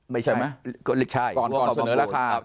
ไม่ใช่หัวก่อนเสนอราคา